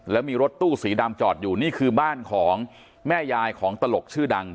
แล้วมีรถตู้สีดำจอดอยู่นี่คือบ้านของแม่ยายของตลกชื่อดัง